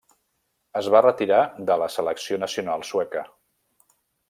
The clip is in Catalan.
Es va retirar de la selecció nacional sueca.